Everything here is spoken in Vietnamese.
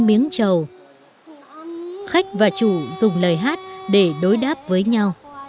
vì vậy khách và chủ dùng lời hát để đối đáp với nhau